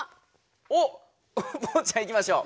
おっポンちゃんいきましょう。